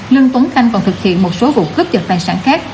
lương tuấn khanh còn thực hiện một số vụ cướp giật tài sản khác